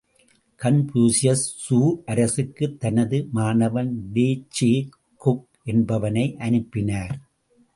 கன்பூசியல், Chu அரசுக்கு தனது மாணவன் ட்சே குக் என்பவனை அனுப்பினார்.